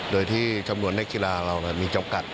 โดยที่จำนวนนักกีฬาเรามีจำกัด